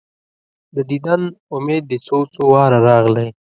د دیدن امید دي څو، څو واره راغلی